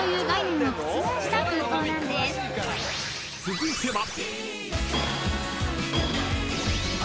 ［続いては］